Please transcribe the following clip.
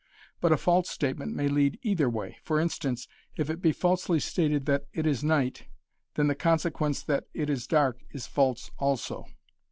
But a false statement may lead either way. For instance, if it be falsely stated that it is night then the consequence that it is dark is false also.